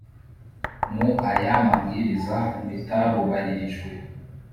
Mu aya mabwiriza bitarubahirijwe